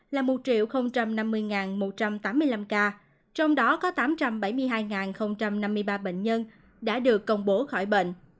là một năm mươi một trăm tám mươi năm ca trong đó có tám trăm bảy mươi hai năm mươi ba bệnh nhân đã được công bố khỏi bệnh